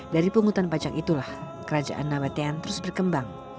dari penghutan pajak itulah kerajaan nabatean terus berkembang